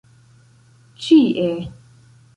ĉie